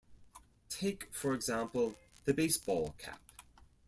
Take for example, the baseball cap.